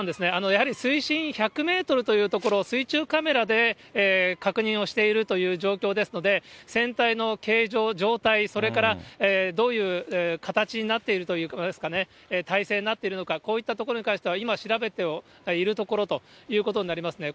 やはり水深１００メートルというところ、水中カメラで確認をしているという状況ですので、船体の形状、状態、それからどういう形になっているということですかね、体勢になっているのか、こういったところに関しては、今調べているところということになりますね。